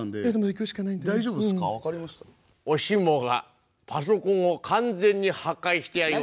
「お下がパソコンを完全に破壊してやりましたよ」。